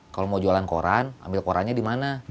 kalau mau jualan koran ambil korannya di mana